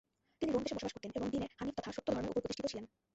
তিনি রোম দেশে বসবাস করতেন এবং দীনে হানীফ তথা সত্য ধর্মের উপর প্রতিষ্ঠিত ছিলেন।